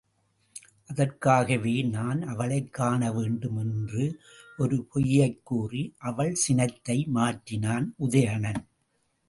அதற்காகவே நான் அவளைக் காண வேண்டும் என்று ஒரு பொய்யைக் கூறி அவள் சினத்தை மாற்றினான் உதயணன்.